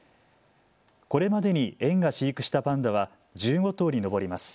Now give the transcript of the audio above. これまでに園が飼育したパンダは１５頭に上ります。